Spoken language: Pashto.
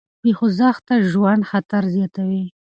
بې خوځښته ژوند خطر زیاتوي.